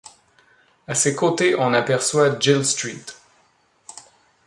À ses côtés, on aperçoit Jill St.